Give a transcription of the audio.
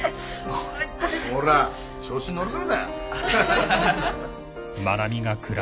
ほら調子に乗るからだよ。